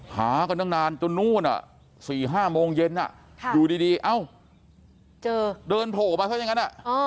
หากันตั้งนานจนนู่น๔๕โมงเย็นอยู่ดีเอ้าเดินโผล่มาซะอย่างนั้น